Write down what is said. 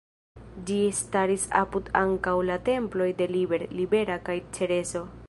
Ĝi staris apud ankaŭ la temploj de Liber, Libera kaj Cereso.